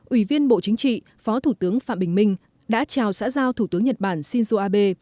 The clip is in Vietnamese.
ủy viên bộ chính trị phó thủ tướng phạm bình minh đã chào xã giao thủ tướng nhật bản shinzo abe